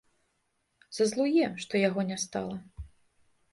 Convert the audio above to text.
Зазлуе, што яго не стала.